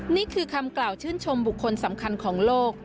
นี่คือคำกล่าวชื่นชมบุคคลสำคัญของโลก